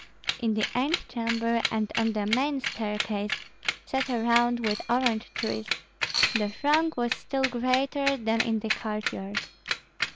In the antechamber and on the main staircase, set around with orange trees, the throng was still greater than in the courtyard.